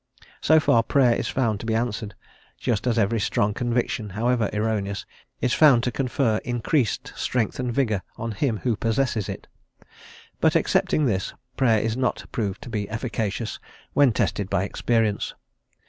So far, Prayer is found to be answered, just as every strong conviction, however erroneous, is found to confer increased strength and vigour on him who possesses it. But, excepting this, Prayer is not proved to be efficacious when tested by experience.